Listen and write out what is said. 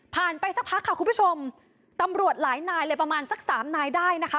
ไปสักพักค่ะคุณผู้ชมตำรวจหลายนายเลยประมาณสักสามนายได้นะคะ